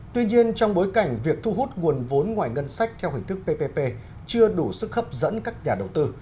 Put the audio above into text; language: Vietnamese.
tuy nhiên trong bối cảnh việc thu hút nguồn vốn ngoài ngân sách theo hình thức ppp chưa đủ sức hấp dẫn các nhà đầu tư